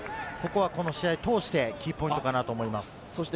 この試合を通してキーポイントかなと思います。